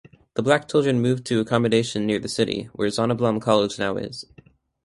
The black children moved to accommodation near the city, where Zonnebloem College now is.